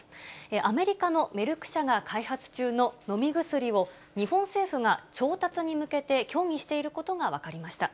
アメリカのメルク社が開発中の飲み薬を、日本政府が調達に向けて協議していることが分かりました。